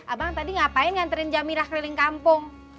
abang tadi ngapain nganterin jamirah keliling kampung